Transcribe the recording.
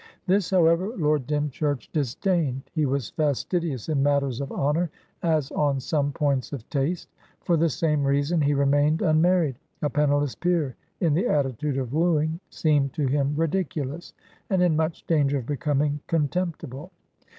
This, however, Lord Dymchurch disdained; he was fastidious in matters of honour, as on some points of taste. For the same reason he remained unmarried; a penniless peer in the attitude of wooing seemed to him ridiculous, and in much danger of becoming contemptible.